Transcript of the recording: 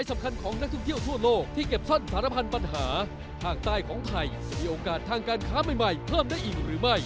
มีโอกาสทางการค้าใหม่เพิ่มได้อีกหรือไม่